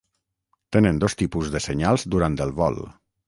Tenen dos tipus de senyals durant el vol.